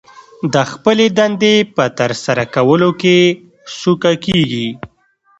د خپلې دندې په ترسره کولو کې سوکه کېږي